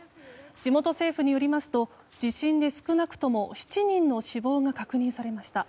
地元政府によりますと地震で少なくとも７人の死亡が確認されました。